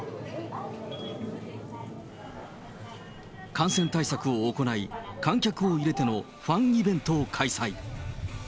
感染対策を行い、観客を入れてのファンイベントを開催。